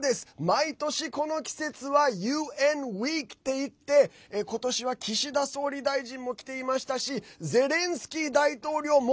毎年この季節はＵＮＷｅｅｋっていって今年は岸田総理大臣も来ていましたしゼレンスキー大統領も。